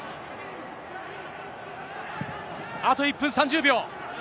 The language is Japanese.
あと１分３０秒。